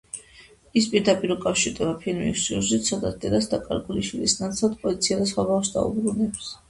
ის პირდაპირ უკავშირდება ფილმის სიუჟეტს, სადაც დედას დაკარგული შვილის ნაცვლად პოლიცია სხვა ბავშვს დაუბრუნებს.